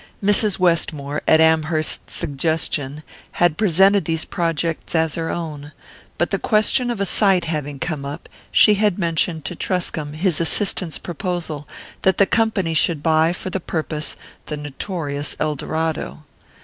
Mrs. Westmore, at Amherst's suggestion, had presented these projects as her own; but the question of a site having come up, she had mentioned to Truscomb his assistant's proposal that the company should buy for the purpose the notorious Eldorado.